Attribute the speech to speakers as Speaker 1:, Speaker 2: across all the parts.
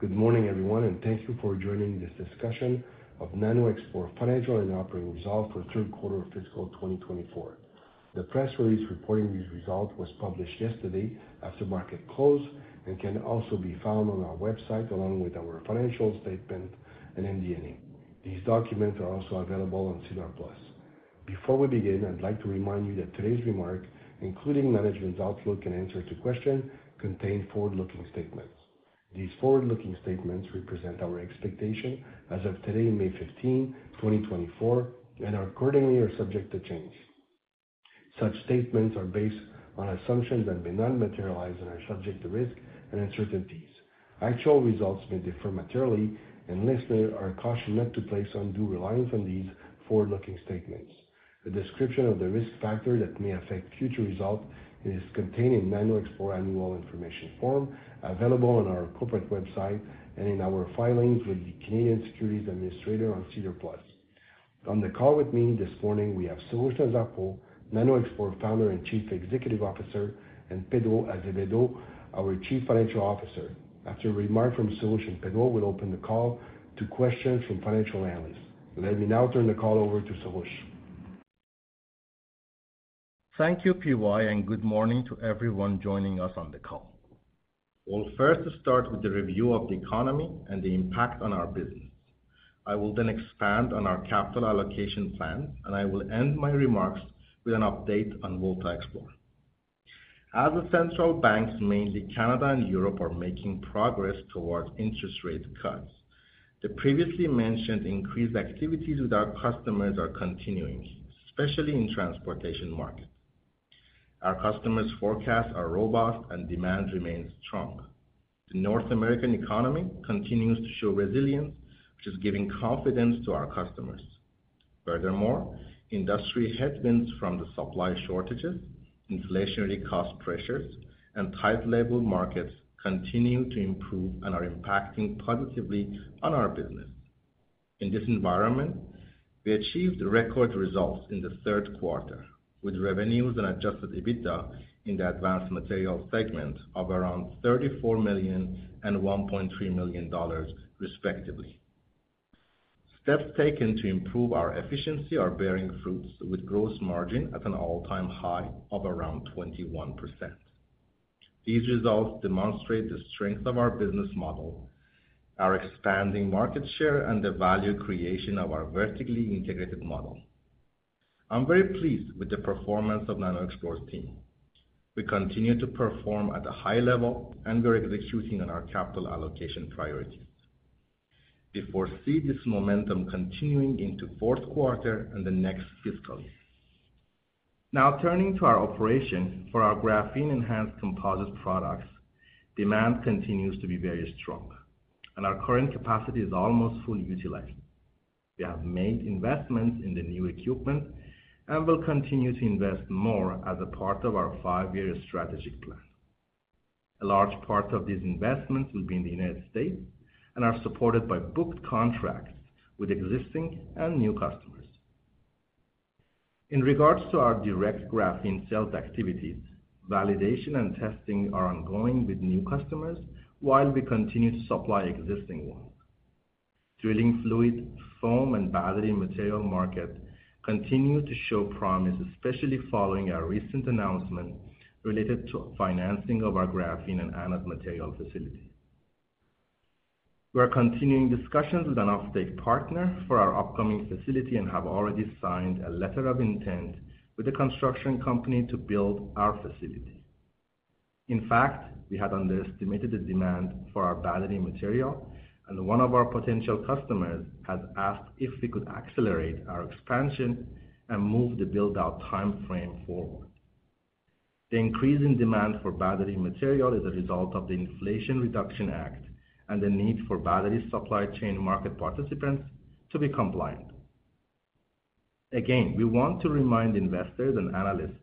Speaker 1: Good morning, everyone, and thank you for joining this discussion of NanoXplore Financial and Operating Results for Q3 of Fiscal 2024. The press release reporting these results was published yesterday after market close and can also be found on our website along with our financial statements and MD&A. These documents are also available on SEDAR+. Before we begin, I'd like to remind you that today's remarks, including management's outlook and answers to questions, contain forward-looking statements. These forward-looking statements represent our expectations as of today, May 15, 2024, and are accordingly subject to change. Such statements are based on assumptions that may not materialize and are subject to risks and uncertainties. Actual results may differ materially, and listeners are cautioned not to place undue reliance on these forward-looking statements. A description of the risk factors that may affect future results is contained in NanoXplore's Annual information form available on our corporate website and in our filings with the Canadian Securities Administrators on SEDAR+. On the call with me this morning, we have Soroush Nazarpour, NanoXplore's Founder and Chief Executive Officer, and Pedro Azevedo, our Chief Financial Officer. After a remark from Soroush, Pedro will open the call to questions from financial analysts. Let me now turn the call over to Soroush.
Speaker 2: Thank you, PY, and good morning to everyone joining us on the call. We'll first start with the review of the economy and the impact on our business. I will then expand on our capital allocation plan, and I will end my remarks with an update on VoltaXplore. As the central banks, mainly Canada and Europe, are making progress towards interest rate cuts, the previously mentioned increased activities with our customers are continuing, especially in the transportation market. Our customers' forecasts are robust, and demand remains strong. The North American economy continues to show resilience, which is giving confidence to our customers. Furthermore, industry headwinds from supply shortages, inflationary cost pressures, and tight labor markets continue to improve and are impacting positively on our business. In this environment, we achieved record results in the Q3, with revenues and Adjusted EBITDA in the advanced material segment of around 34 million and 1.3 million dollars, respectively. Steps taken to improve our efficiency are bearing fruits, with gross margin at an all-time high of around 21%. These results demonstrate the strength of our business model, our expanding market share, and the value creation of our vertically integrated model. I'm very pleased with the performance of NanoXplore's team. We continue to perform at a high level, and we're executing on our capital allocation priorities. We foresee this momentum continuing into Q4 and the next fiscal year. Now, turning to our operation, for our graphene-enhanced composite products, demand continues to be very strong, and our current capacity is almost fully utilized. We have made investments in the new equipment and will continue to invest more as a part of our five-year strategic plan. A large part of these investments will be in the United States and are supported by booked contracts with existing and new customers. In regards to our direct graphene cell activities, validation and testing are ongoing with new customers while we continue to supply existing ones. Drilling fluid, foam, and battery material market continue to show promise, especially following our recent announcement related to financing of our graphene and anode material facility. We are continuing discussions with an offtake partner for our upcoming facility and have already signed a letter of intent with the construction company to build our facility. In fact, we had underestimated the demand for our battery material, and one of our potential customers has asked if we could accelerate our expansion and move the build-out time frame forward. The increase in demand for battery material is a result of the Inflation Reduction Act and the need for battery supply chain market participants to be compliant. Again, we want to remind investors and analysts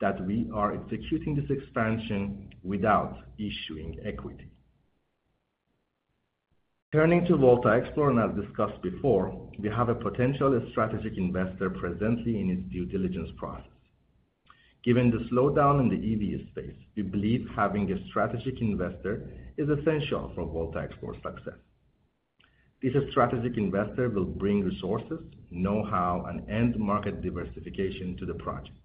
Speaker 2: that we are executing this expansion without issuing equity. Turning to VoltaXplore, and as discussed before, we have a potential strategic investor presently in its due diligence process. Given the slowdown in the EV space, we believe having a strategic investor is essential for VoltaXplore's success. This strategic investor will bring resources, know-how, and end-market diversification to the project.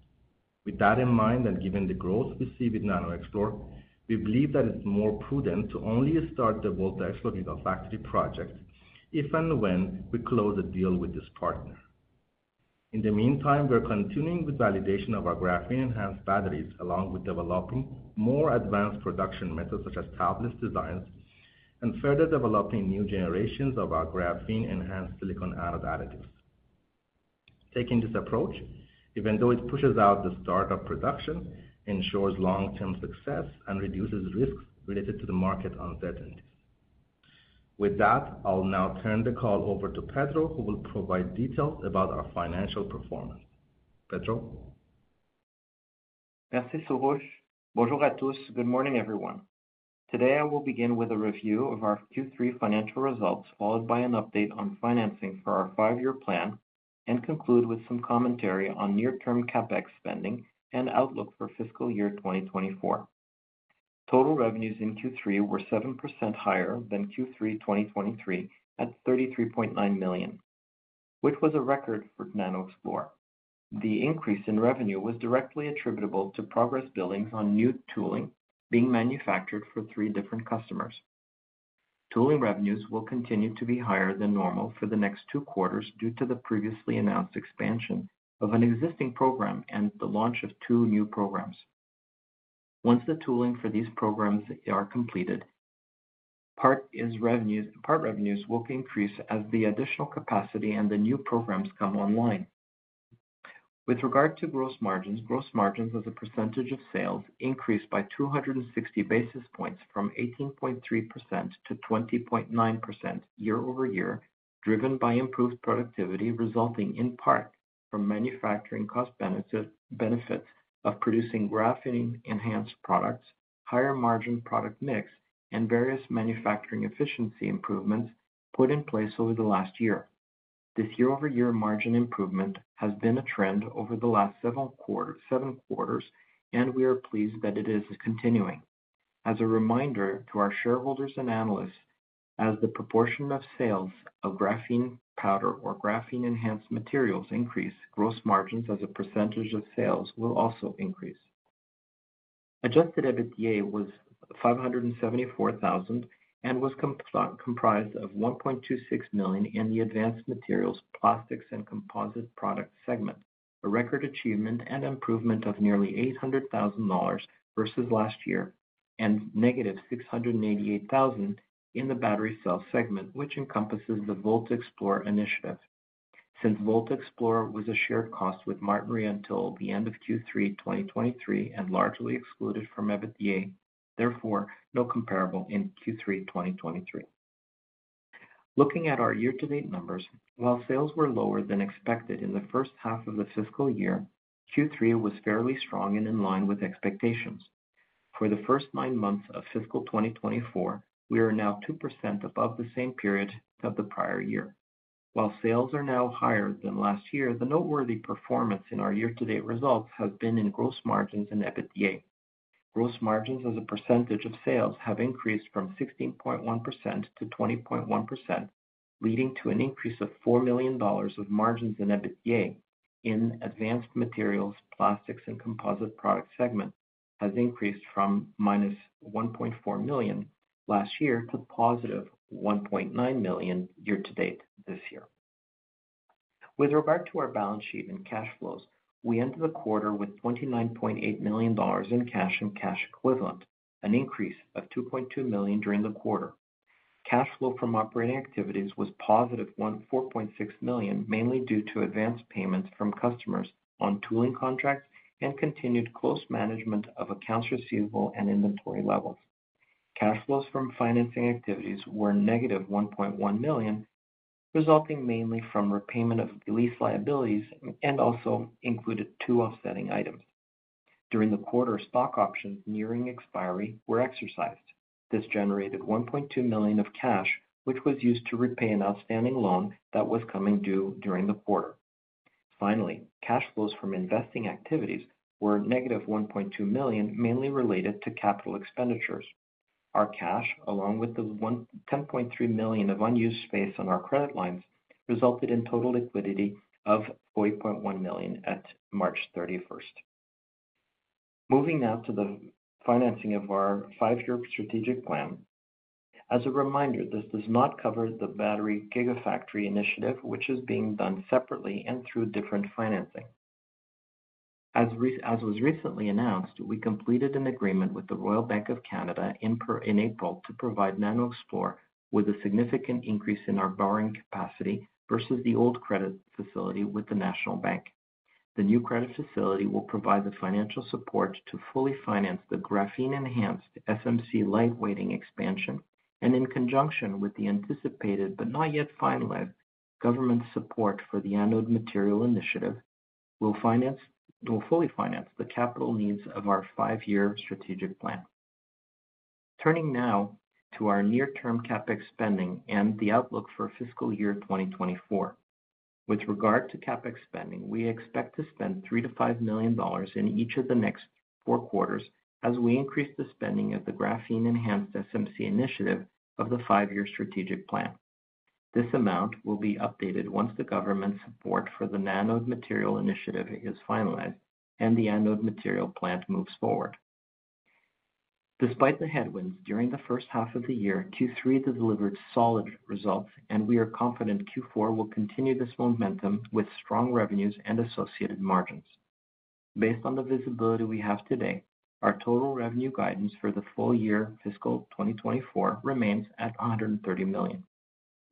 Speaker 2: With that in mind and given the growth we see with NanoXplore, we believe that it's more prudent to only start the VoltaXplore EV factory project if and when we close a deal with this partner. In the meantime, we're continuing with validation of our graphene-enhanced batteries along with developing more advanced production methods such as tabless designs and further developing new generations of our graphene-enhanced silicon anode additives. Taking this approach, even though it pushes out the start of production, ensures long-term success and reduces risks related to the market uncertainties. With that, I'll now turn the call over to Pedro, who will provide details about our financial performance. Pedro?
Speaker 3: Merci, Soroush. Bonjour à tous. Good morning, everyone. Today, I will begin with a review of our Q3 financial results, followed by an update on financing for our five-year plan, and conclude with some commentary on near-term CapEx spending and outlook for fiscal year 2024. Total revenues in Q3 were 7% higher than Q3 2023 at 33.9 million, which was a record for NanoXplore. The increase in revenue was directly attributable to progress billings on new tooling being manufactured for three different customers. Tooling revenues will continue to be higher than normal for the next two quarters due to the previously announced expansion of an existing program and the launch of two new programs. Once the tooling for these programs is completed, part revenues will increase as the additional capacity and the new programs come online. With regard to gross margins, gross margins as a percentage of sales increased by 260 basis points from 18.3% to 20.9% year-over-year, driven by improved productivity resulting in part from manufacturing cost benefits of producing graphene-enhanced products, higher margin product mix, and various manufacturing efficiency improvements put in place over the last year. This year-over-year margin improvement has been a trend over the last seven quarters, and we are pleased that it is continuing. As a reminder to our shareholders and analysts, as the proportion of sales of graphene powder or graphene-enhanced materials increase, gross margins as a percentage of sales will also increase. Adjusted EBITDA was 574,000 and was comprised of 1.26 million in the advanced materials, plastics, and composite product segment, a record achievement and improvement of nearly 800,000 dollars versus last year and negative 688,000 in the battery cell segment, which encompasses the VoltaXplore initiative. Since VoltaXplore was a shared cost with Martinrea until the end of Q3 2023 and largely excluded from EBITDA, therefore, no comparable in Q3 2023. Looking at our year-to-date numbers, while sales were lower than expected in the H1 of the fiscal year, Q3 was fairly strong and in line with expectations. For the first nine months of fiscal 2024, we are now 2% above the same period of the prior year. While sales are now higher than last year, the noteworthy performance in our year-to-date results has been in gross margins and EBITDA. Gross margins as a percentage of sales have increased from 16.1% to 20.1%, leading to an increase of 4 million dollars of margins in EBITDA in the advanced materials, plastics, and composite product segment, which has increased from minus 1.4 million last year to positive 1.9 million year-to-date this year. With regard to our balance sheet and cash flows, we ended the quarter with 29.8 million dollars in cash and cash equivalents, an increase of 2.2 million during the quarter. Cash flow from operating activities was positive 4.6 million, mainly due to advanced payments from customers on tooling contracts and continued close management of accounts receivable and inventory levels. Cash flows from financing activities were negative 1.1 million, resulting mainly from repayment of lease liabilities and also included two offsetting items. During the quarter, stock options nearing expiry were exercised. This generated 1.2 million of cash, which was used to repay an outstanding loan that was coming due during the quarter. Finally, cash flows from investing activities were negative 1.2 million, mainly related to capital expenditures. Our cash, along with the 10.3 million of unused space on our credit lines, resulted in total liquidity of 40.1 million at March 31st. Moving now to the financing of our five-year strategic plan. As a reminder, this does not cover the battery Gigafactory initiative, which is being done separately and through different financing. As was recently announced, we completed an agreement with the Royal Bank of Canada in April to provide NanoXplore with a significant increase in our borrowing capacity versus the old credit facility with the National Bank. The new credit facility will provide the financial support to fully finance the graphene-enhanced SMC lightweighting expansion, and in conjunction with the anticipated but not yet finalized government support for the anode material initiative, will fully finance the capital needs of our five-year strategic plan. Turning now to our near-term CapEx spending and the outlook for fiscal year 2024. With regard to CapEx spending, we expect to spend 3 million-5 million dollars in each of the next four quarters as we increase the spending of the graphene-enhanced SMC initiative of the five-year strategic plan. This amount will be updated once the government support for the anode material initiative is finalized and the anode material plant moves forward. Despite the headwinds, during the H1 of the year, Q3 delivered solid results, and we are confident Q4 will continue this momentum with strong revenues and associated margins. Based on the visibility we have today, our total revenue guidance for the full year fiscal 2024 remains at 130 million.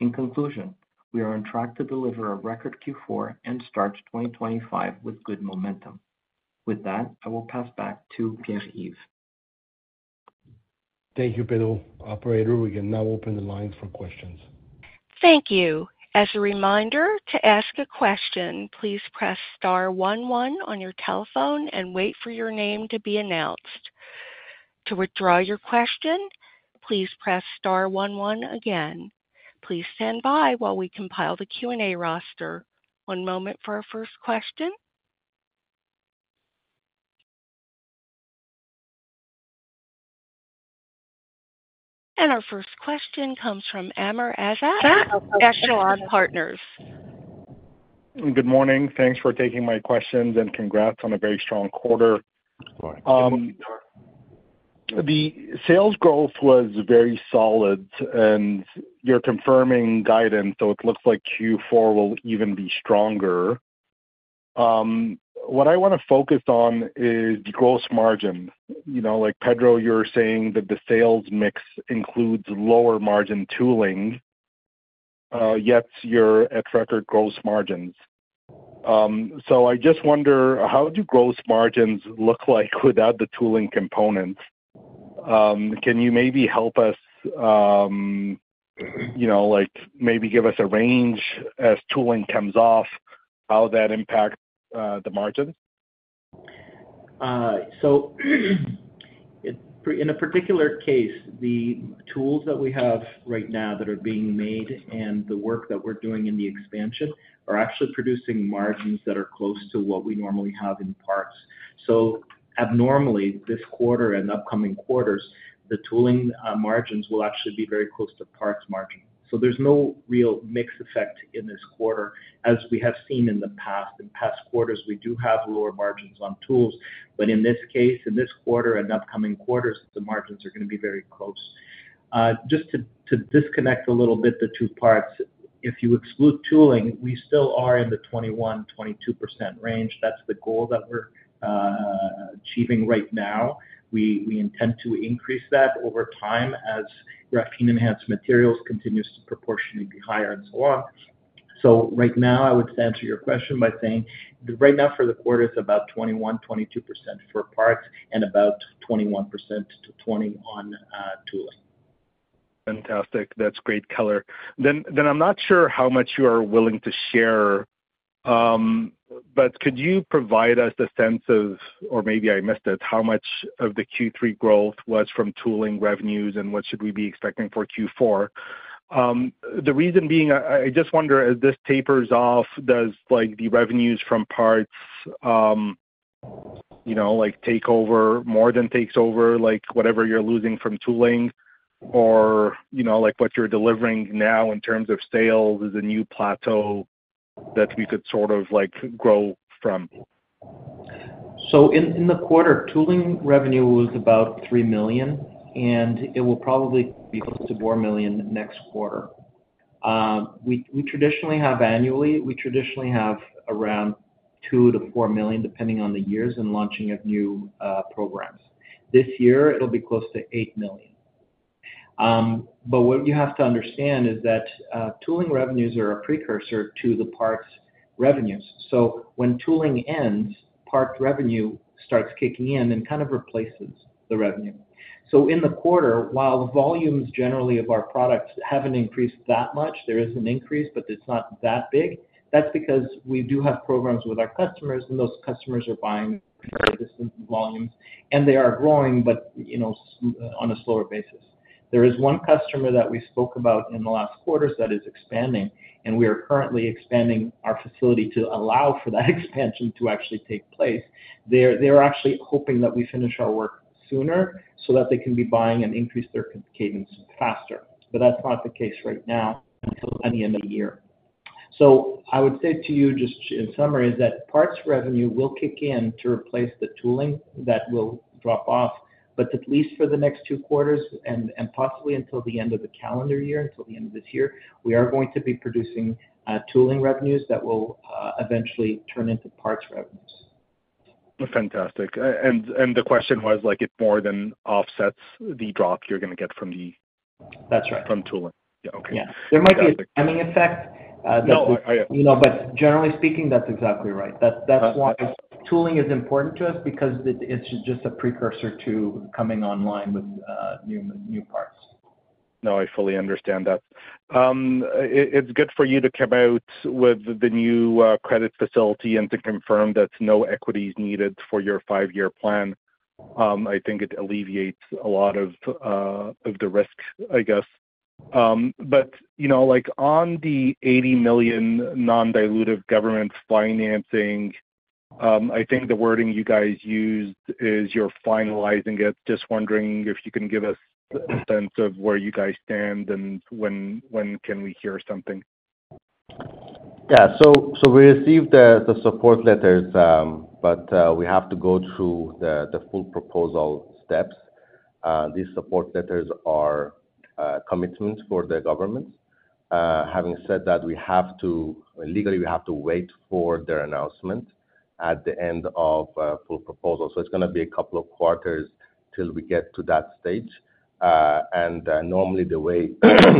Speaker 3: In conclusion, we are on track to deliver a record Q4 and start 2025 with good momentum. With that, I will pass back to Pierre-Yves.
Speaker 1: Thank you, Pedro. Operator, we can now open the lines for questions.
Speaker 4: Thank you. As a reminder, to ask a question, please press star 11 on your telephone and wait for your name to be announced. To withdraw your question, please press star 11 again. Please stand by while we compile the Q&A roster. One moment for our first question. Our first question comes from Amr Ezzat, Echelon Partners.
Speaker 5: Good morning. Thanks for taking my questions and congrats on a very strong quarter. The sales growth was very solid, and you're confirming guidance, so it looks like Q4 will even be stronger. What I want to focus on is the gross margin. Pedro, you're saying that the sales mix includes lower margin tooling, yet you're at record gross margins. So I just wonder, how do gross margins look like without the tooling components? Can you maybe help us maybe give us a range as tooling comes off, how that impacts the margins?
Speaker 3: So in a particular case, the tools that we have right now that are being made and the work that we're doing in the expansion are actually producing margins that are close to what we normally have in parts. So abnormally, this quarter and upcoming quarters, the tooling margins will actually be very close to parts margins. So there's no real mix effect in this quarter as we have seen in the past. In past quarters, we do have lower margins on tools, but in this case, in this quarter and upcoming quarters, the margins are going to be very close. Just to disconnect a little bit the two parts, if you exclude tooling, we still are in the 21%-22% range. That's the goal that we're achieving right now. We intend to increase that over time as graphene-enhanced materials continues to proportionally be higher and so on. So right now, I would answer your question by saying right now for the quarter, it's about 21%-22% for parts and about 21%-20% on tooling.
Speaker 5: Fantastic. That's great color. Then I'm not sure how much you are willing to share, but could you provide us the sense of, or maybe I missed it, how much of the Q3 growth was from tooling revenues and what should we be expecting for Q4? The reason being I just wonder, as this tapers off, does the revenues from parts take over more than takes over whatever you're losing from tooling or what you're delivering now in terms of sales is a new plateau that we could sort of grow from?
Speaker 3: So in the quarter, tooling revenue was about 3 million, and it will probably be close to 4 million next quarter. We traditionally have annually, we traditionally have around 2-4 million, depending on the years and launching of new programs. This year, it'll be close to 8 million. But what you have to understand is that tooling revenues are a precursor to the parts revenues. So when tooling ends, parts revenue starts kicking in and kind of replaces the revenue. So in the quarter, while the volumes generally of our products haven't increased that much, there is an increase, but it's not that big. That's because we do have programs with our customers, and those customers are buying fairly distant volumes, and they are growing, but on a slower basis. There is one customer that we spoke about in the last quarters that is expanding, and we are currently expanding our facility to allow for that expansion to actually take place. They're actually hoping that we finish our work sooner so that they can be buying and increase their cadence faster. But that's not the case right now until the end of the year. So I would say to you, just in summary, is that parts revenue will kick in to replace the tooling that will drop off, but at least for the next two quarters and possibly until the end of the calendar year, until the end of this year, we are going to be producing tooling revenues that will eventually turn into parts revenues.
Speaker 5: Fantastic. The question was if more than offsets the drop you're going to get from tooling.
Speaker 3: That's right.
Speaker 5: Yeah. Okay.
Speaker 3: Yeah. There might be a timing effect that we.
Speaker 5: No, I understand.
Speaker 3: But generally speaking, that's exactly right. That's why tooling is important to us because it's just a precursor to coming online with new parts.
Speaker 5: No, I fully understand that. It's good for you to come out with the new credit facility and to confirm that no equity is needed for your five-year plan. I think it alleviates a lot of the risk, I guess. But on the 80 million non-dilutive government financing, I think the wording you guys used is you're finalizing it. Just wondering if you can give us a sense of where you guys stand and when can we hear something?
Speaker 2: Yeah. So we received the support letters, but we have to go through the full proposal steps. These support letters are commitments for the governments. Having said that, legally, we have to wait for their announcement at the end of full proposal. So it's going to be a couple of quarters till we get to that stage. And normally, the way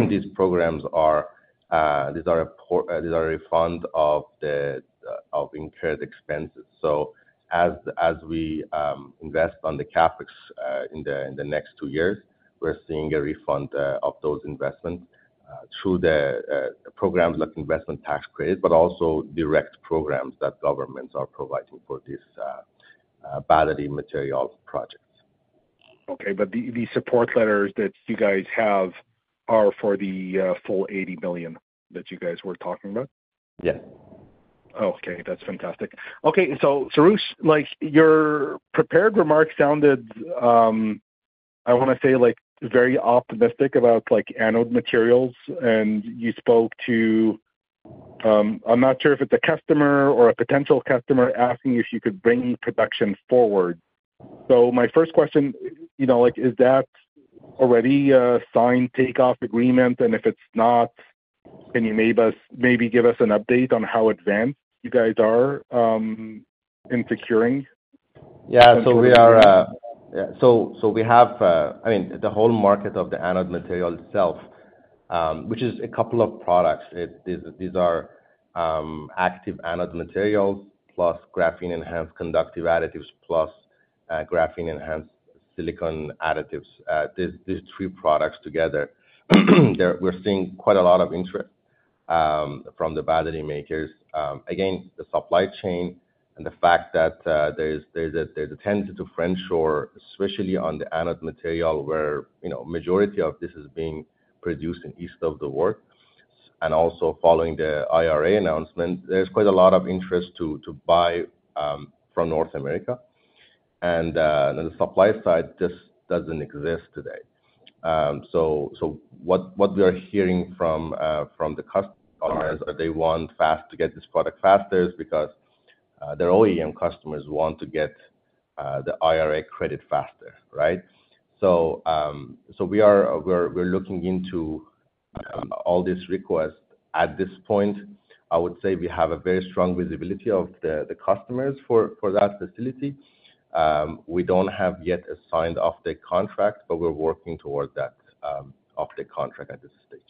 Speaker 2: these programs are, these are a refund of incurred expenses. So as we invest on the CapEx in the next 2 years, we're seeing a refund of those investments through programs like investment tax credits, but also direct programs that governments are providing for these battery material projects.
Speaker 5: Okay. But the support letters that you guys have are for the full 80 million that you guys were talking about?
Speaker 2: Yes.
Speaker 5: Okay. That's fantastic. Okay. So, Soroush, your prepared remarks sounded, I want to say, very optimistic about anode materials, and you spoke to, I'm not sure if it's a customer or a potential customer, asking if you could bring production forward. So, my first question, is that already a signed offtake agreement? And if it's not, can you maybe give us an update on how advanced you guys are in securing?
Speaker 2: Yeah. So we have, I mean, the whole market of the anode material itself, which is a couple of products. These are active anode materials plus graphene-enhanced conductive additives plus graphene-enhanced silicon additives. These three products together, we're seeing quite a lot of interest from the battery makers. Again, the supply chain and the fact that there's a tendency to friendshore, especially on the anode material where the majority of this is being produced in east of the world, and also following the IRA announcement, there's quite a lot of interest to buy from North America. And on the supply side, this doesn't exist today. So what we are hearing from the customers is that they want to get this product faster because their OEM customers want to get the IRA credit faster, right? So we're looking into all this request. At this point, I would say we have a very strong visibility of the customers for that facility. We don't have yet a signed off-take contract, but we're working towards that off-take contract at this stage.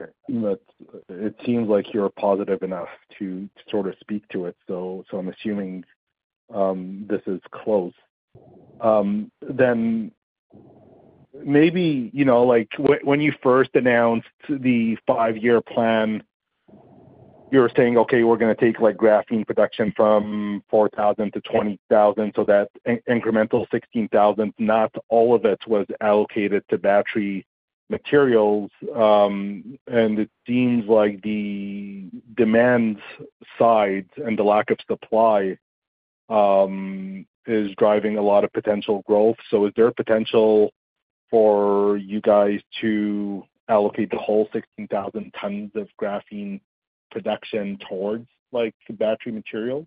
Speaker 5: Okay. But it seems like you're positive enough to sort of speak to it. So I'm assuming this is close. Then maybe when you first announced the five-year plan, you were saying, "Okay, we're going to take graphene production from 4,000 to 20,000 so that incremental 16,000, not all of it was allocated to battery materials." And it seems like the demand sides and the lack of supply is driving a lot of potential growth. So is there potential for you guys to allocate the whole 16,000 tons of graphene production towards battery materials?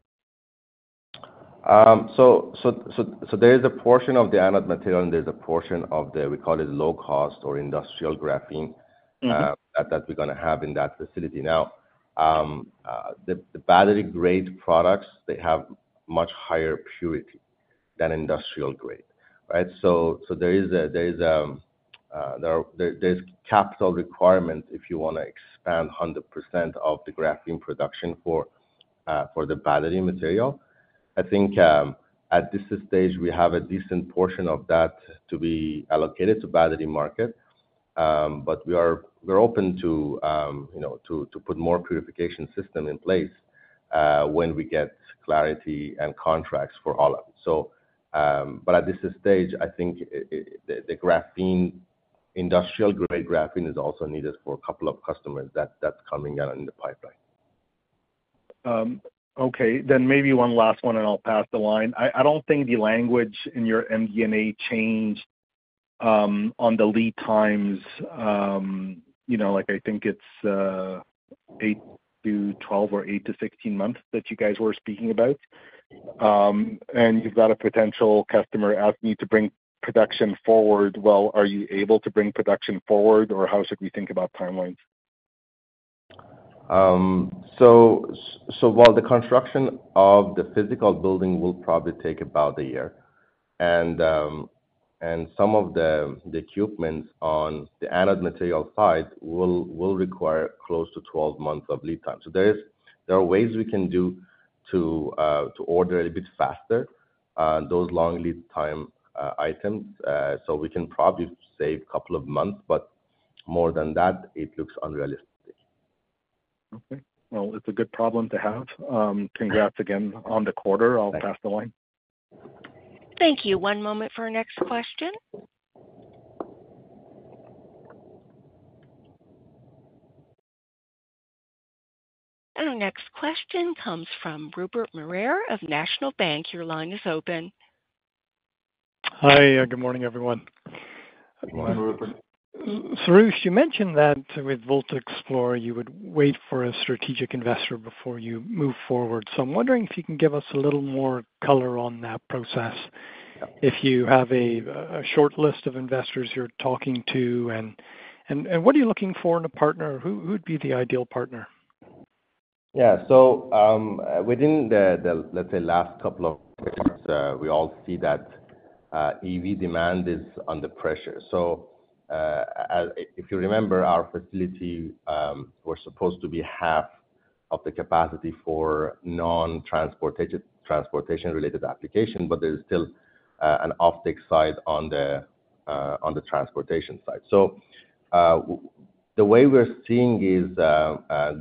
Speaker 2: So there is a portion of the anode material, and there's a portion of the we call it low-cost or industrial graphene that we're going to have in that facility. Now, the battery-grade products, they have much higher purity than industrial grade, right? So there is a capital requirement if you want to expand 100% of the graphene production for the battery material. I think at this stage, we have a decent portion of that to be allocated to battery market. But we're open to put more purification systems in place when we get clarity and contracts for all of it. But at this stage, I think the industrial-grade graphene is also needed for a couple of customers that's coming down in the pipeline.
Speaker 5: Okay. Then maybe one last one, and I'll pass the line. I don't think the language in your MD&A changed on the lead times. I think it's 8-12 or 8-16 months that you guys were speaking about. And you've got a potential customer asking you to bring production forward. Well, are you able to bring production forward, or how should we think about timelines?
Speaker 2: So while the construction of the physical building will probably take about a year, and some of the equipment on the anode material side will require close to 12 months of lead time. So there are ways we can do to order a bit faster, those long lead time items. So we can probably save a couple of months, but more than that, it looks unrealistic.
Speaker 5: Okay. Well, it's a good problem to have. Congrats again on the quarter. I'll pass the line.
Speaker 4: Thank you. One moment for our next question. Next question comes from Rupert Merer of National Bank. Your line is open.
Speaker 6: Hi. Good morning, everyone.
Speaker 3: Good morning, Rupert.
Speaker 6: Soroush, you mentioned that with VoltaXplore, you would wait for a strategic investor before you move forward. So I'm wondering if you can give us a little more color on that process, if you have a short list of investors you're talking to? And what are you looking for in a partner? Who would be the ideal partner?
Speaker 2: Yeah. So within the, let's say, last couple of quarters, we all see that EV demand is under pressure. So if you remember, our facility was supposed to be half of the capacity for non-transportation-related applications, but there's still an offtake side on the transportation side. So the way we're seeing is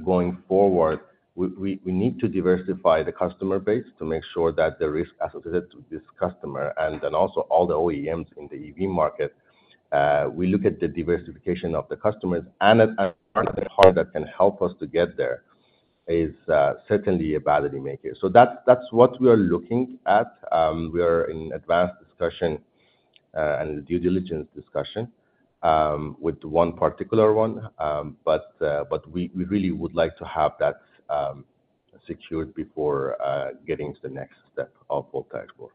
Speaker 2: going forward, we need to diversify the customer base to make sure that the risk associated with this customer and then also all the OEMs in the EV market, we look at the diversification of the customers. And the part that can help us to get there is certainly a battery maker. So that's what we are looking at. We are in advanced discussion and due diligence discussion with one particular one, but we really would like to have that secured before getting to the next step of VoltaXplore.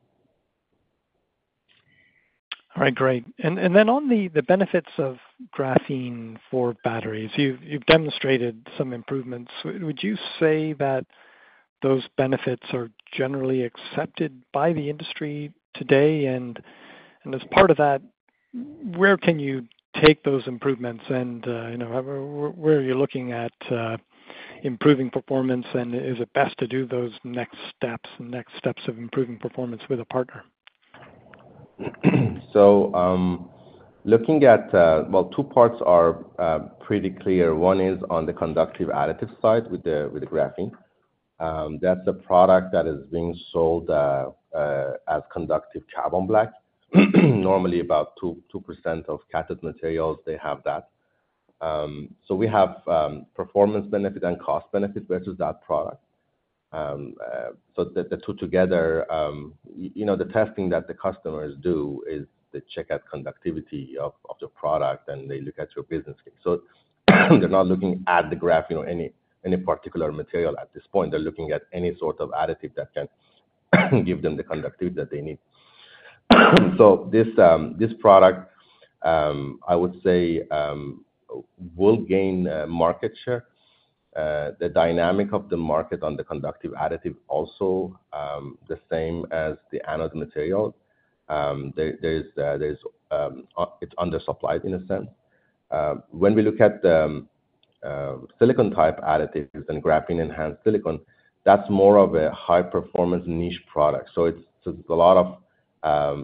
Speaker 6: All right. Great. And then on the benefits of graphene for batteries, you've demonstrated some improvements. Would you say that those benefits are generally accepted by the industry today? And as part of that, where can you take those improvements? And where are you looking at improving performance? And is it best to do those next steps and next steps of improving performance with a partner?
Speaker 2: So looking at well, two parts are pretty clear. One is on the conductive additive side with the graphene. That's a product that is being sold as conductive carbon black. Normally, about 2% of cathode materials, they have that. So we have performance benefit and cost benefit versus that product. So the two together, the testing that the customers do is they check at conductivity of the product, and they look at your business case. So they're not looking at the graph, any particular material at this point. They're looking at any sort of additive that can give them the conductivity that they need. So this product, I would say, will gain market share. The dynamic of the market on the conductive additive is also the same as the anode material. It's undersupplied, in a sense. When we look at silicon-type additives and graphene-enhanced silicon, that's more of a high-performance niche product. So there's a lot of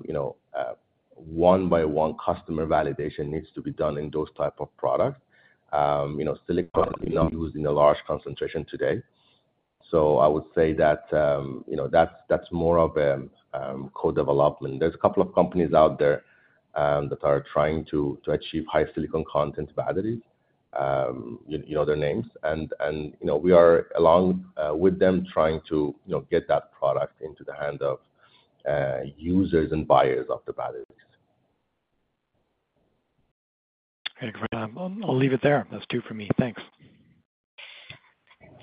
Speaker 2: one-by-one customer validation that needs to be done in those types of products. Silicon is not used in a large concentration today. So I would say that that's more of a co-development. There's a couple of companies out there that are trying to achieve high silicon content batteries, their names. And we are along with them trying to get that product into the hands of users and buyers of the batteries.
Speaker 6: Great. I'll leave it there. That's two for me. Thanks.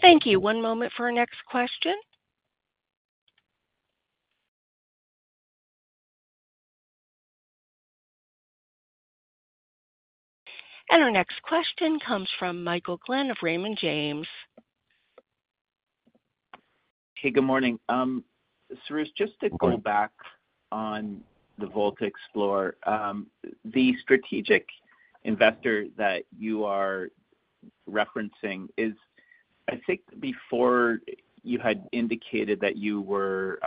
Speaker 4: Thank you. One moment for our next question. Our next question comes from Michael Glen of Raymond James.
Speaker 7: Hey, good morning. Soroush, just to go back on the VoltaXplore, the strategic investor that you are referencing, I think before you had indicated that you were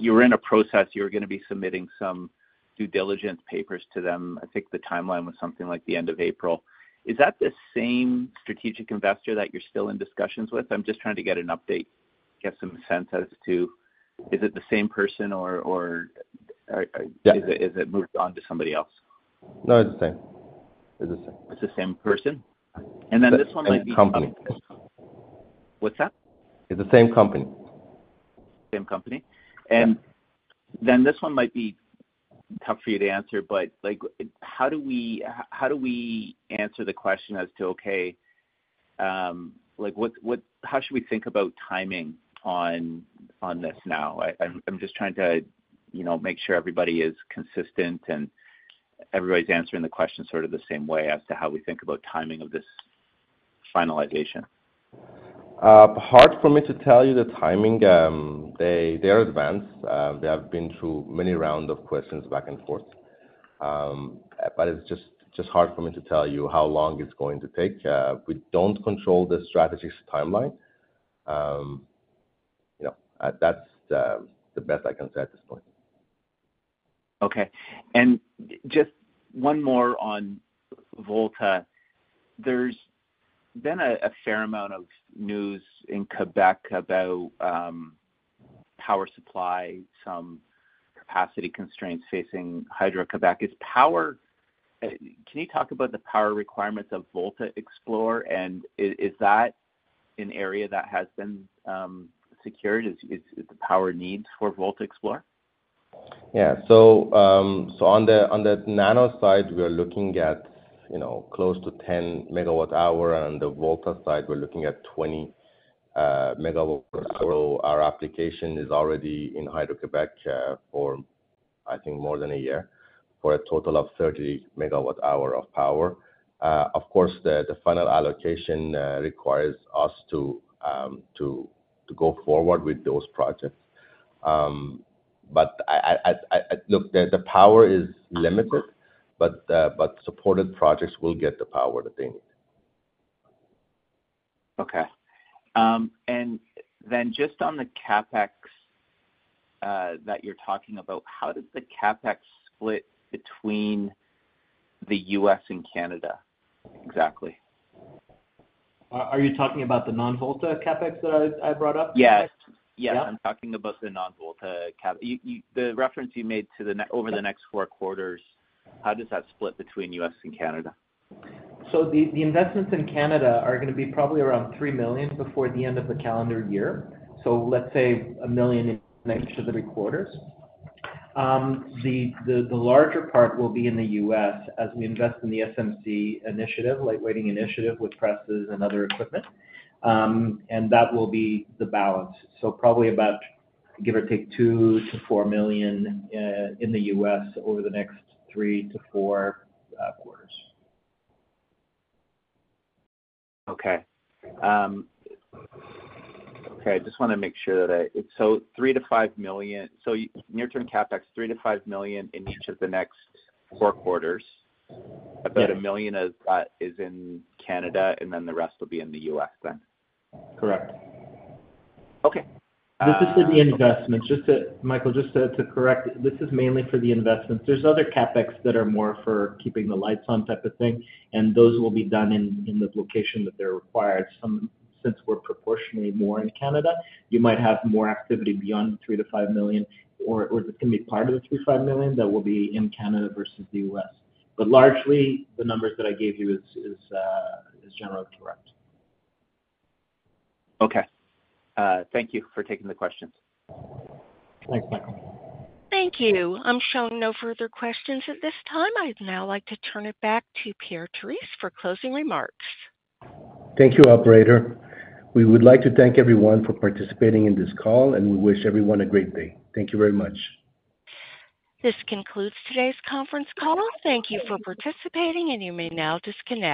Speaker 7: in a process, you were going to be submitting some due diligence papers to them. I think the timeline was something like the end of April. Is that the same strategic investor that you're still in discussions with? I'm just trying to get an update, get some sense as to is it the same person, or is it moved on to somebody else?
Speaker 2: No, it's the same. It's the same.
Speaker 7: It's the same person? And then this one might be.
Speaker 2: It's the same company.
Speaker 7: What's that?
Speaker 2: It's the same company.
Speaker 7: Same company? And then this one might be tough for you to answer, but how do we answer the question as to, "Okay, how should we think about timing on this now?" I'm just trying to make sure everybody is consistent and everybody's answering the question sort of the same way as to how we think about timing of this finalization.
Speaker 2: Hard for me to tell you the timing. They are advanced. They have been through many rounds of questions back and forth. But it's just hard for me to tell you how long it's going to take. We don't control the strategic timeline. That's the best I can say at this point.
Speaker 7: Okay. And just one more on Volta. There's been a fair amount of news in Québec about power supply, some capacity constraints facing Hydro-Québec. Can you talk about the power requirements of VoltaXplore, and is that an area that has been secured? Is the power needs for VoltaXplore?
Speaker 2: Yeah. So on the nano side, we are looking at close to 10 MWh. And on the Volta side, we're looking at 20 MWh. So our application is already in Hydro-Québec for, I think, more than a year, for a total of 30 MWh of power. Of course, the final allocation requires us to go forward with those projects. But look, the power is limited, but supported projects will get the power that they need.
Speaker 7: Okay. Just on the CapEx that you're talking about, how does the CapEx split between the U.S. and Canada exactly?
Speaker 3: Are you talking about the non-Volta CapEx that I brought up?
Speaker 7: Yes. Yes. I'm talking about the non-Volta CapEx. The reference you made to the, over the next four quarters, how does that split between U.S. and Canada?
Speaker 3: The investments in Canada are going to be probably around 3 million before the end of the calendar year. Let's say 1 million in the next three quarters. The larger part will be in the U.S. as we invest in the SMC initiative, lightweighting initiative with presses and other equipment. That will be the balance. Probably about, give or take, 2 million-4 million in the U.S. over the next three to four quarters.
Speaker 7: Okay. Okay. I just want to make sure that I so 3 million-5 million so near-term CapEx, 3 million-5 million in each of the next four quarters. About 1 million of that is in Canada, and then the rest will be in the US then?
Speaker 3: Correct.
Speaker 7: Okay.
Speaker 3: This is for the investments. Michael, just to correct, this is mainly for the investments. There's other CapEx that are more for keeping the lights on type of thing, and those will be done in the location that they're required. Since we're proportionally more in Canada, you might have more activity beyond 3-5 million, or there's going to be part of the 3-5 million that will be in Canada versus the US. But largely, the numbers that I gave you are generally correct.
Speaker 7: Okay. Thank you for taking the questions.
Speaker 3: Thanks, Michael.
Speaker 4: Thank you. I'm showing no further questions at this time. I'd now like to turn it back to Pierre-Yves Terrisse for closing remarks.
Speaker 1: Thank you, operator. We would like to thank everyone for participating in this call, and we wish everyone a great day. Thank you very much.
Speaker 4: This concludes today's conference call. Thank you for participating, and you may now disconnect.